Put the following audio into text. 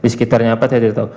di sekitarnya apa saya tidak tahu